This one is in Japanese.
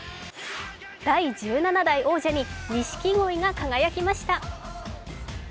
第１７代王者に錦鯉が輝きました。